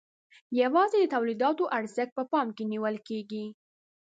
یوازې د تولیداتو ارزښت په پام کې نیول کیږي.